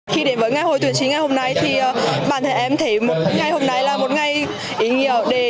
khi đến với ngày hội tuyển sinh ngày hôm nay thì bản thân em thấy ngày hôm nay là một ngày ý nghĩa